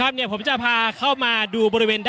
อย่างที่บอกไปว่าเรายังยึดในเรื่องของข้อ